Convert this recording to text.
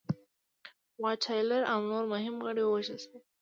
واټ تایلور او نور مهم غړي ووژل شول.